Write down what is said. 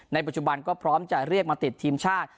ปัจจุบันก็พร้อมจะเรียกมาติดทีมชาติ